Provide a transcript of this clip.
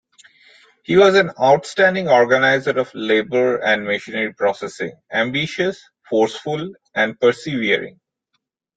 He was an outstanding organiser of labour and machinery processing, ambitious, forceful and persevering.